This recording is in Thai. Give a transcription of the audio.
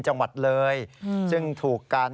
จังหวัดเลยซึ่งถูกกัน